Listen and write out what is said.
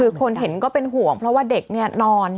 คือคนเห็นก็เป็นห่วงเพราะว่าเด็กเนี่ยนอน